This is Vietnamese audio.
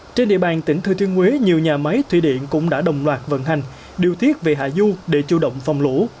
trên địa bàn tỉnh thư thiên huế nhiều nhà máy thủy điện cũng đã đồng loạt vận hành điều tiết về hà du để chủ động phòng lũ